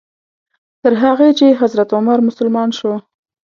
تر هغې چې حضرت عمر مسلمان شو.